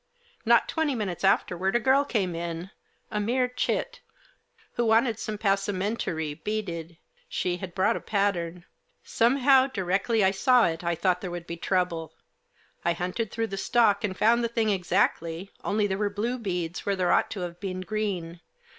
Not twenty minutes afterwards a girl came in — a mere chit — who wanted some passementerie, beaded. She had brought a pattern. Somehow directly I saw it I thought there would be trouble. I hunted through the stock and found the thing exactly, only there were blue beads where there ought to have been green.